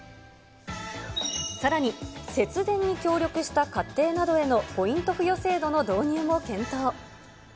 さらに、節電に協力した家庭などへのポイント付与制度の導入も検討。